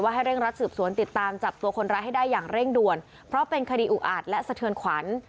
ให้เร่งรัดสืบสวนติดตามจับตัวคนร้ายให้ได้อย่างเร่งด่วนเพราะเป็นคดีอุอาจและสะเทือนขวัญ